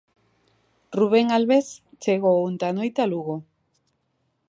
Rubén Albés chegou onte á noite a Lugo.